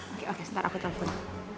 oke oke sebentar aku telepon